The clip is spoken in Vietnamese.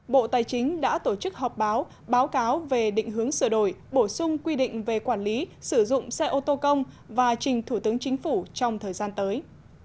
bộ tài chính đã tổ chức họp báo báo cáo về định hướng sửa đổi bổ sung quy định về quản lý sử dụng xe ô tô công và trình thủ tướng chính phủ trong thời gian tới